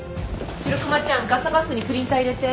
白熊ちゃんガサバッグにプリンター入れて。